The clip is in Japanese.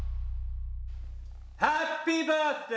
ハッピーバースディ。